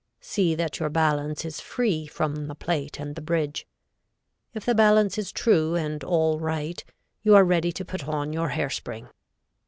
See that your balance is free from the plate and the bridge. If the balance is true and all right, you are ready to put on your hair spring.